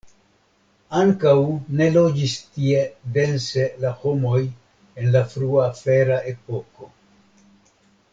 Ankaŭ ne loĝis tie dense la homoj en la frua fera epoko.